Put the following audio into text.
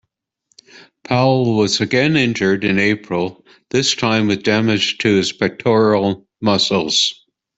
Powell was again injured in April, this time with damage to his pectoral muscles.